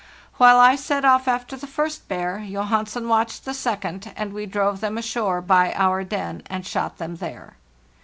While I set off after the first bear, Johansen watched the second, and we drove them ashore by our. den, and shot them there.